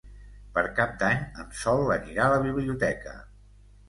Per Cap d'Any en Sol anirà a la biblioteca.